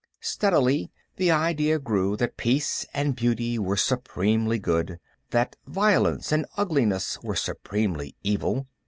Steadily the idea grew that peace and beauty were supremely good, that violence and ugliness were supremely evil.